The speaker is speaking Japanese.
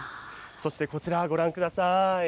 そしてこちらご覧ください。